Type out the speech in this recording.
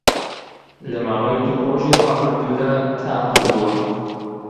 لە ماوەی دوو ڕۆژی ڕابردوودا تام هەبووه